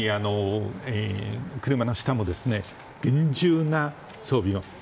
車の下も厳重な装備を。